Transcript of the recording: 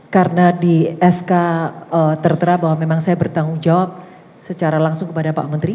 karena di sk tertera bahwa memang saya bertanggung jawab secara langsung kepada pak menteri